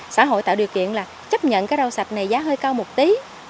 xã hội tạo điều kiện là chấp nhận cái rau sạch này giá hơi cao một tí